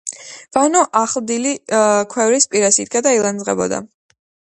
ვანო ახლდილი ქვევრის პირას იდგა და ილანძღებოდა.